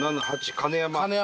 金山。